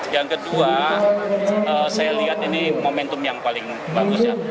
yang kedua saya lihat ini momentum yang paling bagus ya